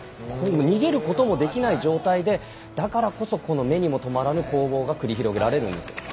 逃げることもできない状態でだからこそ目にもとまらぬ攻防が繰り広げられるんです。